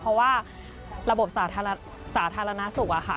เพราะว่าระบบสาธารณสุขอะค่ะ